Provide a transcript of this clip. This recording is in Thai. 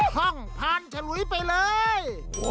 ท่องพานจะหลุยไปเลย